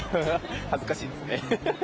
恥ずかしいですね。